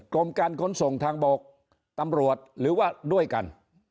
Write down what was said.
กรมการขนส่งทางบกตำรวจหรือว่าด้วยกัน